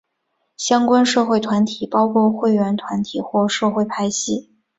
相关社会团体包括会员团体或社会派系。